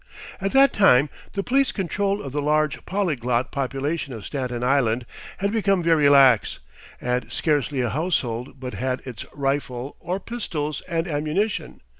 At that time the police control of the large polyglot population of Staten Island had become very lax, and scarcely a household but had its rifle or pistols and ammunition.